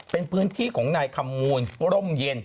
เป็นพื้นที่ของนายคำมูลร่มเย็น